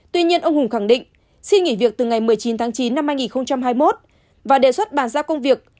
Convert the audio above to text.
tuy nhiên ông hùng khẳng định xin nghỉ việc từ ngày một mươi chín tháng chín năm hai nghìn hai mươi một và đề xuất bàn giao công việc